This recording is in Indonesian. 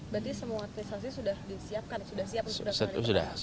berarti semua administrasi sudah disiapkan